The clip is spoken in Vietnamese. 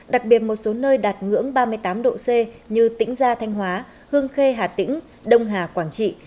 đặc biệt một số nơi đạt ngưỡng ba mươi tám độ c như tĩnh gia thanh hóa hương khê hà tĩnh đông hà quảng trị